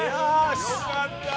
よかった。